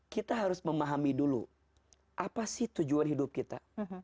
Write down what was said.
kita harus memahami dulu apa sih tujuan hidup kita